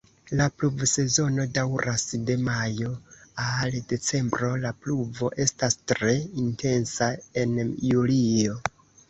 La pluvsezono daŭras de majo al decembro, la pluvo estas tre intensa en julio.